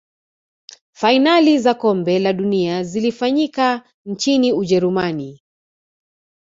fainali za kombe la dunia zilifanyika nchini ujerumani